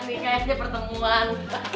ini kayaknya pertemuan